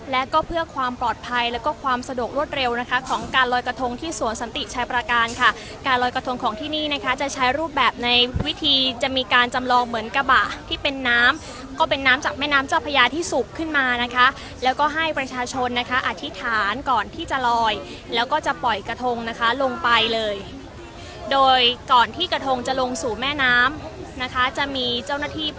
และก็เพื่อความปลอดภัยแล้วก็ความสะดวกรวดเร็วนะคะของการลอยกระทงที่สวนสันติชายประการค่ะการลอยกระทงของที่นี่นะคะจะใช้รูปแบบในวิธีจะมีการจำลองเหมือนกระบะที่เป็นน้ำก็เป็นน้ำจากแม่น้ำเจ้าพญาที่สูบขึ้นมานะคะแล้วก็ให้ประชาชนนะคะอธิษฐานก่อนที่จะลอยแล้วก็จะปล่อยกระทงนะคะลงไปเลยโดยก่อนที่กระทงจะลงสู่แม่น้ำนะคะจะมีเจ้าหน้าที่